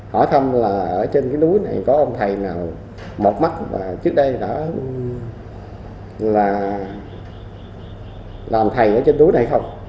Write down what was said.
hỏi thăm là ở trên cái núi này có ông thầy nào một mắt và trước đây đã là làm thầy ở trên túi này không